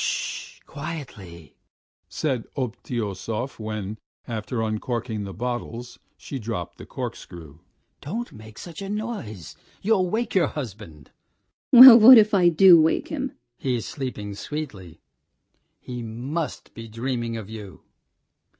"Sh sh! ... quietly!" said Obtyosov when, after uncorking the bottles, she dropped the corkscrew. "Don't make such a noise; you'll wake your husband." "Well, what if I do wake him?" "He is sleeping so sweetly ... he must be dreaming of you.